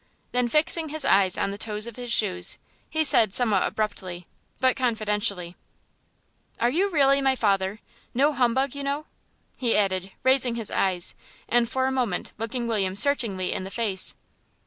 Then fixing his eyes on the toes of his shoes he said somewhat abruptly, but confidentially "Are you really my father? No humbug, you know," he added, raising his eyes, and for a moment looking William searchingly in the face.